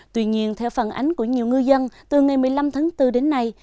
tuy nhiên theo phản ánh của nhiều ngư dân từ ngày một mươi năm tháng bốn đến nay